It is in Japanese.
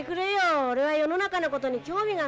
「俺は世の中のことに興味がないんだよ」